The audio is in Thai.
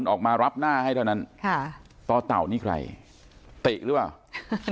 ออกมารับหน้าให้เท่านั้นค่ะต่อเต่านี่ใครติหรือเปล่า